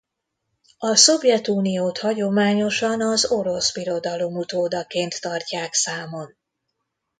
A Szovjetuniót hagyományosan az Orosz Birodalom utódaként tartják számon.